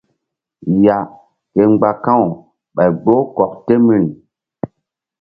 Ya ke mgba ka̧w ɓay gboh kɔk temri.